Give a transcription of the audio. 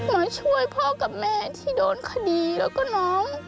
มาช่วยพ่อกับแม่ที่โดนคดีแล้วก็น้อง